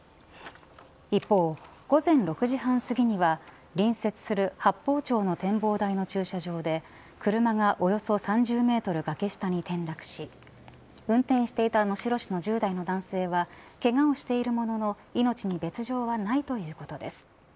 一方、午前６時半すぎには隣接する八峰町の展望台の駐車場で車がおよそ３０メートル崖下に転落し運転していた能代市の１０代の男性はけがをしているものの命に別条はないということです。